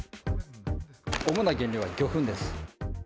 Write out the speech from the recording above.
主な原料は魚粉です。